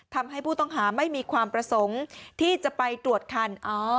ทำให้ผู้ต้องหาไม่มีความประสงค์ที่จะไปตรวจคัน